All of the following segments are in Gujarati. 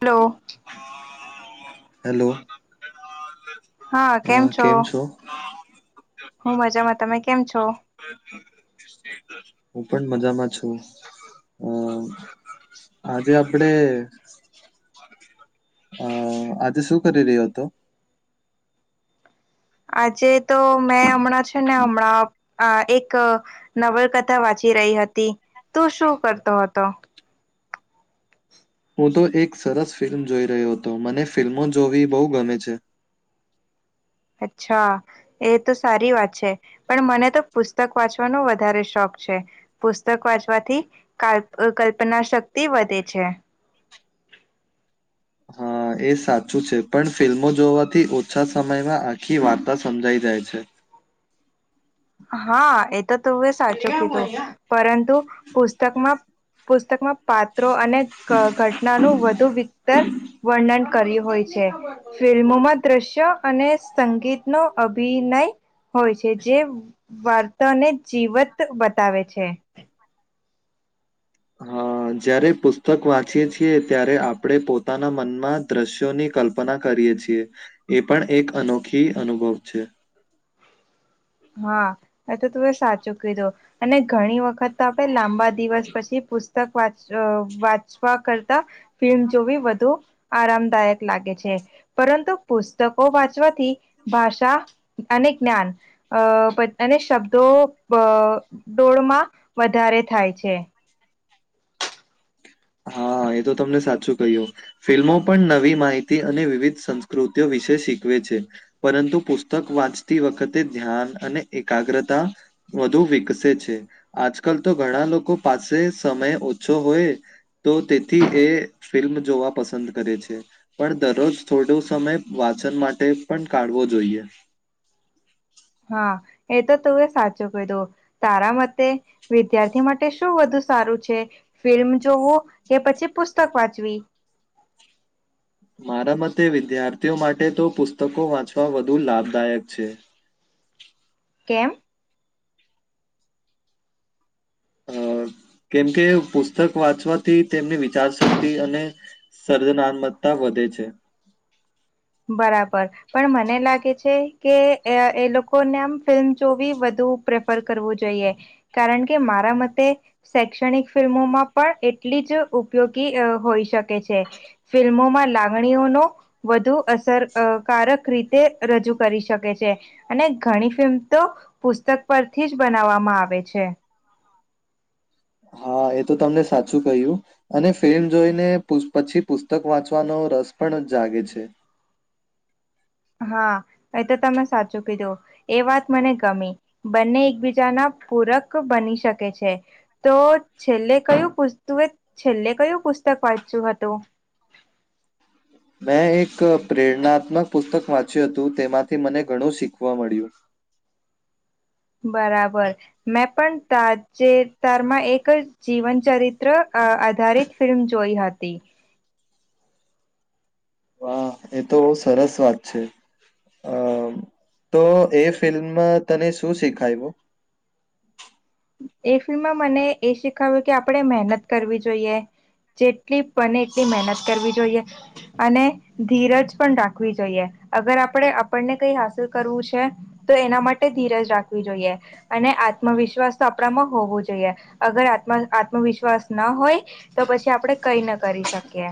હલો હેલો હ કેમ છો હું મજામાં તમે કેમ છો હું પણ મજામાં છું અ આજે આ આપડે અ આજે શું કરી રહ્યો હતો આજે તો મેં હમણાં છે ને હમણાં એક નવલકથા વાંચી એ રહી હતી તું શું કરતો હતો હું તો એક સરસ ફિલ્મ જોઈ રહ્યો હતો મને ફિલ્મો જોવી બહુ ગમે છે [inaudible] અચ્છા એ તો સારી વાત છે પણ મને તો પુસ્તક વાંચવાનો વધારે શોખ છે પુસ્તક વાંચવાથી કલ્પના શક્તિ વધે છે [inaudible] હા એ સાચું છે પણ ફિલ્મો જોવાથી ઓછા સમયમાં આખી વાર્તા સમજાઈ જાય છે [inaudible] હા એ તો તો સાચું પરંતુ પુસ્તકમાં પુસ્તકમાં પાત્રો અને ઘટનાનું વધુ વિતર વર્ણન કર્યું હોય છે ફિલ્મોમાં દ્રશ્ય અને સંગીતનો અભિનય હોય છે જે વર્તને જીવત બતાવે છે હ જયારે પુસ્તક વાંચીએ છીએ ત્યારે આપણે પોતાના મનમાં દ્રશ્યોની કલ્પના કરીએ છીએ એ પણ એક અનોખી અનુભવ છે હા એ તો તું સાચું કીધું અને ઘણી વખત તો આપણે લાંબા દિવસ પછી પુછ પુસ્તક વાંચવા કરતા ફિલ્મ જોવી વધુ આરામદાયક લાગે છે પરંતુ પુસ્તકો વાંચવાથી ભાષા અને જ્ઞાન અ અને શબ્દો અ ડોળમાં વધારે થાય છે હા એ તો તમને સાચું કહ્યું ફિલ્મો પણ નવી માહિતી અને વિવિધ સંસ્કૃતિઓ વિષે શીખવે છે પરંતુ પુસ્તક વાંચતી વખતે ધ્યાન અને એકાગ્રતા વધુ વિકસે છે આજકાલ તો ઘણા લોકો પાસે સમય ઓછો હોય તો તેથી એ ફિલ્મ જોવા પસંદ કરે છે પણ દરરોજ થોડો સમય વાત શિજ્ઞણ માટે પણ કાઢવો જોઈએ [inaudible] હા એ તો તું એ સાચો કહીધો તારા મતે વિદ્યાર્થી માટે શું વધુ સારું છે ફિલ્મ જોવો કે પછી પુસ્તક વાંચવી મારા મતે વિદ્યાર્થીઓ માટે તો પુસ્તકો વાંચવા વધુ લાભદાયક છે કેમ [inaudible] કેમકે પુસ્તક વાંચવાથી તેમની વિચારશક્તિ અને સર્જનાત્મતા વધે છે. [inaudible] બરાબર પણ મને લાગે છે કે એ લોકોને આમ ફિલ્મ જોવી વધુ પ્રેફર કરવું જોઈએ. કારણ કે મારા મતે શૈક્ષણિક ફિલ્મોમાં પણ એટલી જ ઉપયોગી આ હોઈ શકે છે. ફિલ્મોમાં લાગણીઓનો વધુ અસરકારક રીતે રજૂ કરી શકે છે અને ઘણી ફિલ્મ તો સ્તક પરથી જ બનાવવામાં આવે છે. હા. હા, એ તો તમને સાચું કહ્યું, અને ફિલ્મ જોઈને પુસ્પ પછી પુસ્તક વાંચવાનો રસ પણ જાગે છે. હ હા, એ તો તમે સાચું કીધું. એ વાત મને ગમી. બંને એકબીજાના પૂરક બની શકે છે. તો છેલ્લે કયું પુસ તુએ છેલ્લે કયું પુત સ્ત પર્ચી વાતો [unintelligible] મેં એક પ્રેરણાત્મક પુસ્તક વાંચ્યું હતું. તેમાંથી મને ઘણું શીખવા મળ્યું. હ બરાબર મેં પણ તાં જે સ્તારમાં એક જીવન ચરિત્ર આધારિત ફિલ્મ જોઈ હતી. વાહ, એ તો સરસ વાત છે. અ તો એ ફિલ્મમાં તને શું શીખાઈવું? એ ફિલ્મમાં મને એ શીખાવ્યું કે આપણેે મહેનત કરવી જોઈએ જેટલી બને એટલી મહેનત કરવી જોઈએ અને ધીરજ પણ રાખવી જોઈએ. અગર આપડે આપડને કઈ હાંસલ કરવું છે, તો એના માટે ધીરજ રાખવી જોઈએ. અને આત્મવિશ્વાસ તો આપડામાં હોવો જોઈએ. અગર આત્મા-આત્મવિશ્વાસ ના હોય તો પછી આપડે કઈ ન કરી શકીએ.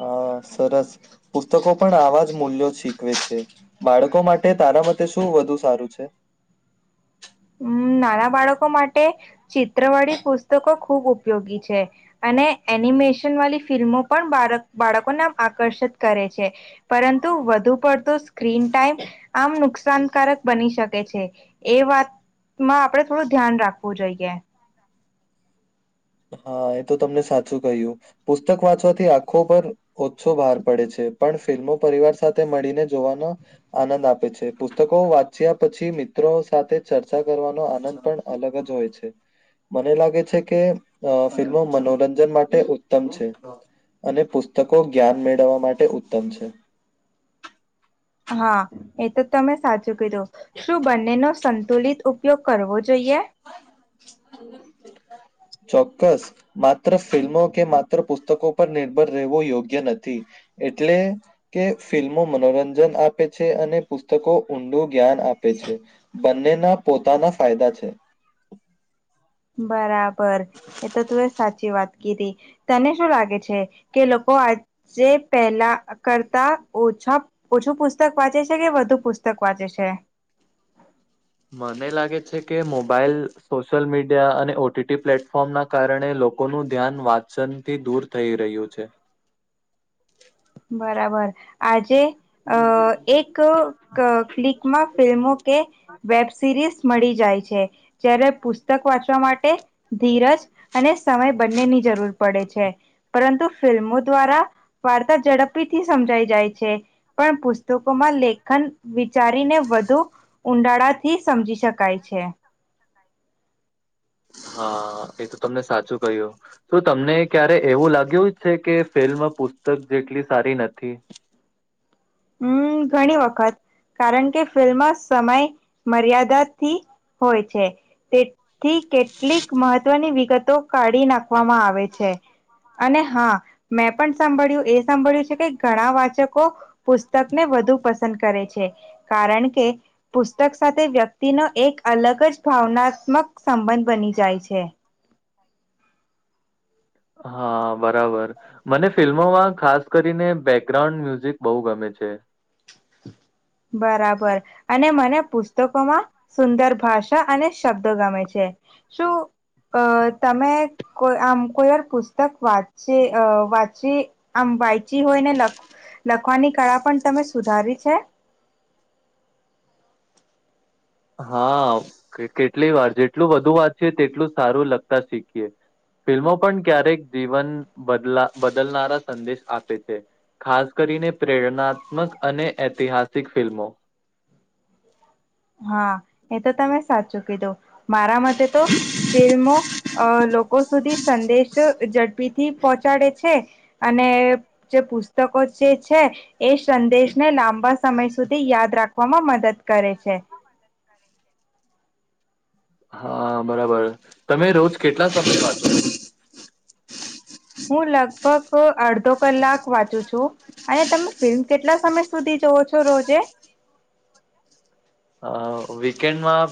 હા, સરસ. પુસ્તકો પણ આવા જ મૂલ્યો શીખવે છે. બાળકો માટે ત તારા મતે શું વધુ સારું છે? [inaudible] અમ નાના બાળકો માટે ચિત્રવાળી પુસ્તકો ખુબ ઉપયોગી છે અ અને એનિમેશન વાલી ફિલ્મો પણ બારક-બાળકોને આકર્ષિત કરે છે. પરંતુ વધુ પડતો સ્ક્રીન ટાઈમ, આમ નુકસા નુકસાનકારક બની શકે છે એ વાત મા આપડે થોડું ધ્યાન રાખવું જોઈએ. હઅ, એ તો તમને સાચું કહ્યું. પુસ્તક વાંચવાથી આંખો પર ઓછો ભાર પડે છે. રે પણ ફિલ્મો પરિવાર સાથે મળીને જોવાનો આનંદ આપે છ. પુસ્તકો વાંચ્યા પછી મિત્રો સાથે ચર્ચા કરવાનો આનંદ પણ અલગ જ હોય છે. મને લાગે છે કે અ ફિલ્મો મનોરંજન માટે ઉત્તમ છે. અને પુસ્તકો જ્ઞાન મેળવવા માટે ઉત્તમ છે. હા, એ તો તમે સાચું કીધું. શું બંને નો સંતુલિત ઉપયોગ કરવો જોઈએ? એ ચોક્કસ. માત્ર ફિલ્મો કે માત્ર પુસ્તકો પર નિર્ભર રહેવો યોગ્ય નથી. એટલે કે ફિલ્મો મનોરંજન આપે છે અને પુસ્તકો ઊંડું જ્ઞાન આપે છે. બંનેના પોતાના ફાયદા છે. બરાબર. એ તો તું એ સાચી વાત કીધી. તને શું લાગે છે? કે લોકો આજે પહેલા કરતા ઓ છો. ઓછું પુસ્તક વાંચે છે કે વધુ પુસ્તક વાંચે છે? મને લાગે છે કે, મોબાઈલ, સોશિયલ મીડિયા અને ઓટીટી પ્લેટફોર્મના કારણે લો લોકોનું ધ્યાન વાચનથી દૂર થઈ રહ્યું છે. બરાબર, આજે અ એક ક્લિકમાં ફિલ્મો કે વેબ સિરીઝ મળી જાય છે જ્યારે પુસ્ત પુતક વાંચવા માટે ધીરજ અને સમય બંનેની જરૂર પડે છે પરંતુ ફિલ્મો દ્વારા વા ઝડપીથી સમજાઈ જાય છે પણ પુસ્તકોમાં લેખન વિચારીને વધુ ઉઊંડાળાથી સમજી શકાય છે હા એ તો તમને સાચું કહ્યું તો તમને ક્યારે એવું લાગ્યું જ છે કે ફિલ્મ પ પુસ્તક જેટલી સારી નથી હ હમ ઘણી વખત કારણ કે ફિલ્મ સમય મર્યાદાથી હોય છે તેથી કેટલીક મહત્વની વિગતો કાઢી નાખવામાં આવે છે અને હા મેં પણ સાંભળ્યું એ સાંભળ્યું છે કે ઘણા વાચકો પુસ્તકને વધુ પસંદ કરે છે કારણ કે પુસ્તક સાથે વ્યક્તિનો એક અલગ જ ભાવનાત્મક સંબંધ બની જાય છે હમ હા બરાબર મને ફિલ્મોમાં ખાસ કરીને બેકગ્રાઉન્ડ મ્યુઝિક બહુ ગમે છે છે હ બરાબર અને મને પુસ્તકોમાં સુંદર ભાષા અને શબ્દો ગમે છે. શું? અ તમે કો આમ કોઈર પુસ્તક વાંચી વાંચી આ [inaudible] વાંચી હોય ને લખવાની કળા પણ તમે સુધારી છે? હાકે કેટલી વાર જેટલું વધુ વાત છે તેટલું સારું લગતા શીખીએ. ફિલ્મો પણ ક્યારેક જીવન બદલા બદલનારા સંદેશ આપે છે. ખાસ કરી ને પ્રેરણાત્મક અને ઐતિહાસિક ફિલ્મો. [inaudible] હા એ તો તમે સાચું કીધું મારા માટે તો ફિલ્મો. અ લોકો સુધી સંદેશ ઝડપી થી પહોંચાડે છે અને જે પુસ્તકો જે છે એ સંદેશને લાંબા સમય સુધી યાદ રાખવામાં મદદ કરે છે. [inaudible] હા બરાબર તમે રોજ કેટલા સમય વાચો? હું લગભગ અડધો કલાક વાંચું છું અને તમે ફિલ્મ કેટલા સમય સુધી જવ છો રોજે? [inaudible] અ વીકેન્ડમાં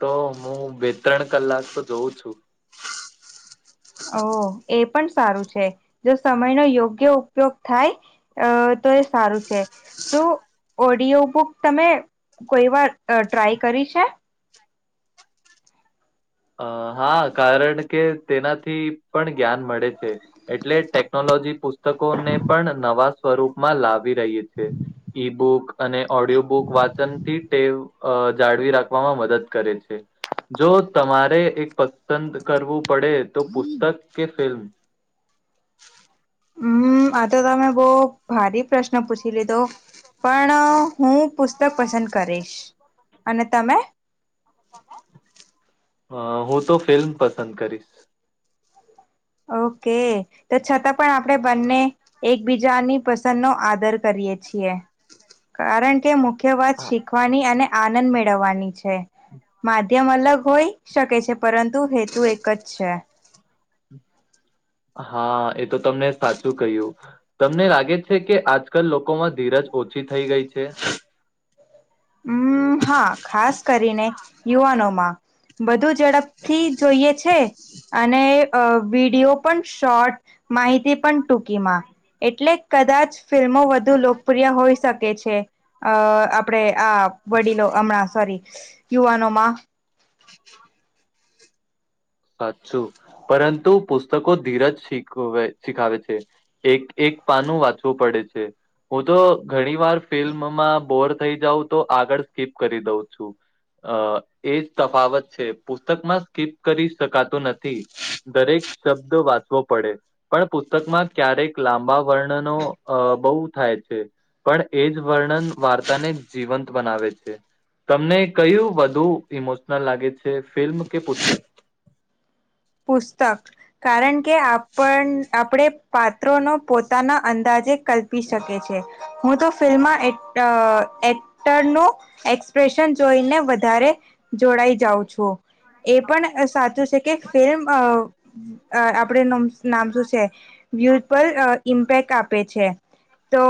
તો હું બે ત્રણ કલાક તો જોઉં છું. ઓ એ પણ સારું છે જો સમયનો યોગ્ય ઉપયોગ થાય અ તો એ સારું છે. શું ઓડિયો બુક તમે કોઈ વાર ટ્રાય કરી છે? અ હા કારણ કે તેનાથી પણ જ્ઞાન મળે છે એટલે ટેકનોલો લોજી પુસ્તકોને પણ નવા સ્વરૂપમાં લાભ આવી રહી છે ઈ બુક અને ઓડિયો બુક વાંચન થી ટેવ અ જાળવી રાખવામાં મદદ કરે છે. જો તમારે એક પસંદ કરવું પડે તો પુસ્તક કે ફિલ્મ? હમ આ તો તમે બહ ભારી પ્રશ્ન પૂછી લીધો. પણ હું પુસ્તક પસંદ કરીશ અને તમે? [inaudible] હ હું તો ફિલ્મ પસંદ કરીશ. ઓકે તો છતાં પણ આપણે બંને એકબીજાની પસંદ નો આદર કરીએ. છીએ કારણ કે મુખ્ય વાત હા શીખવાની અને આનંદ મેળવવાની છે. માધ્યમ અલગ હોઈ શકે છે પરંતુ હેતુ એક જ છે. હા એ તો તમને સાચું કહ્યું તમને લાગે છે કે આજકાલ લોકોમાં ધીરજ ઓછી થઈ ગઈ છે? હમ, હા ખાસ કરીને યુવાનોમાં. બધું ઝડપથી જોઈએ છે. અને વિડીયો પણ શોર્ટ માહિતી પણ ટૂંકીમાં. એટલે કદાચ ફિલ્મો વધુ લોકપ્રિય હોઈ શકે છે અ આપણેે આ વડીલો હમણાં સોરી યુવાનોમાં. સાચું પરંતુ પુસ્તકો ધીરજ શીખ શીખાવે છે. એક એક એક પાનું વાંચવું પડે છે. હું તો ઘણી વાર ફિલ્મમાં બોર થઈ જાઉં તો આગળ સ્કીપ કરી દઉં છું. અ એજ તફાવત છે પુસ્તકમાં સ્કીપ કરીશ શકાતું નથી દરેક શબ્દ વાંચવો પડે પણ પુસ્તકમાં ક્યારેક લાંબા વર્ણનો અ બહુ થાય છે. પણ એ જ વર્ણન વાર્તાને જીવંત બનાવે છે. તમને કયું વધુ ઇમોશનલ લાગે છે ફિલ્મ કે પુસ્તક? પુસ્તક કારણ કે આપ આપણે પાત્રો નો પોતાના અંદાજ કલ્પી શકે છે હું તો ફિલ્મમાં એક્ટર નો એક્સપ વેશન જોઈને વધારે જોડાઈ જાઉં છું એ પણ સાચું છે કે સેમ આપણે ન નામ શું છે વ્યુઝ પર ઇમ્પેક્ટ આપે છે. તો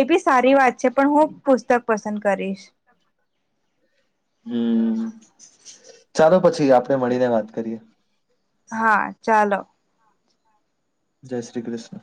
એ બી સારી વાત છે પણ હું પુસ્તક પસંદ કરીશ. [inaudible] હમ ચાલો પછી આપણે મળીને વાત કરીએ. હા ચાલો. જય શ્રી કૃષ્ણ.